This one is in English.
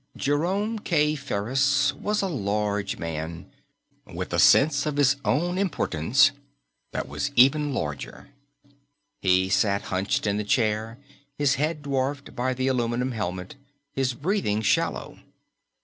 Jerome K. Ferris was a large man, with a sense of his own importance that was even larger. He sat hunched in the chair, his head dwarfed by the aluminum helmet, his breathing shallow.